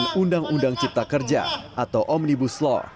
dan undang undang cipta kerja atau omnibus law